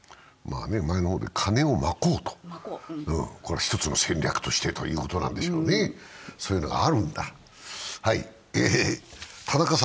カネをまこうと、一つの戦略としてということなんでしょうね、そういうのがあるんだ。